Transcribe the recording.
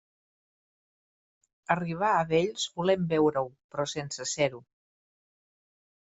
Arribar a vells volem veure-ho, però sense ser-ho.